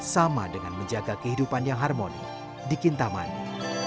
sama dengan menjaga kehidupan yang harmoni di kintamani